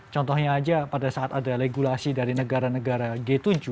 contohnya aja pada saat ada regulasi dari negara negara g tujuh